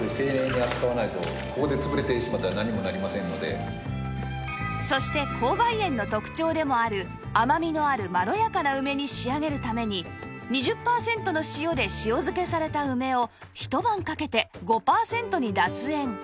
次にそして紅梅園の特長でもある甘みのあるまろやかな梅に仕上げるために２０パーセントの塩で塩漬けされた梅を一晩かけて５パーセントに脱塩